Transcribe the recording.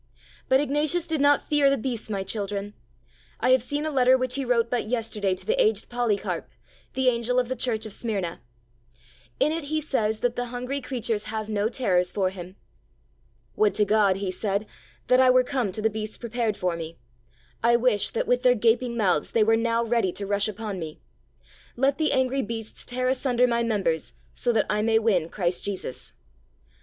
But Ignatius did not fear the beasts, my children. I have seen a letter which he wrote but yesterday to the aged Polycarp, the angel of the Church of Smyrna. In it he says that the hungry creatures have no terrors for him. "Would to God," he said, "that I were come to the beasts prepared for me. I wish that, with their gaping mouths, they were now ready to rush upon me. Let the angry beasts tear asunder my members so that I may win Christ Jesus."